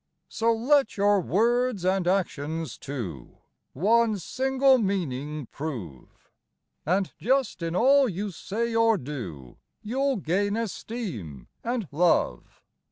So let your words and actions, too, one single meaning prove, And just in all you say or do, you'll gain esteem and love.